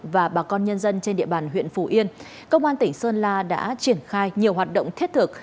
và bà con nhân dân trên địa bàn huyện phù yên công an tỉnh sơn la đã triển khai nhiều hoạt động thiết thực